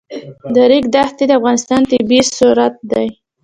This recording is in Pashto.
د ریګ دښتې د افغانستان طبعي ثروت دی.